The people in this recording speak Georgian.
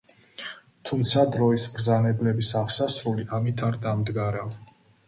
თუმცა დროის მბრძანებლების აღსასრული ამით არ დამდგარა.